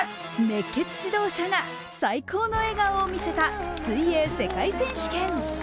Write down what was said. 熱血指導者が最高の笑顔を見せた水泳の世界選手権。